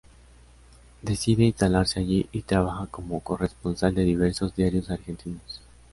Decide instalarse allí y trabaja como corresponsal de diversos diarios argentinos.